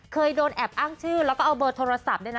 เคยโดนแอบอ้างชื่อแล้วก็เอาเบอร์โทรศัพท์ด้วยนะ